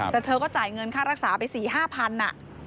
แต่เธอก็จ่ายเงินค่ารักษาไปสี่ห้าพันอะ